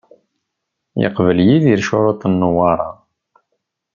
Yeqbel Yidir ccuruṭ n Newwara.